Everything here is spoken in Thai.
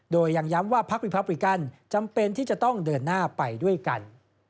โดยยังย้ำว่าพักรีพับริกันจำเป็นที่จะต้องเดินหน้าไปด้วยกัน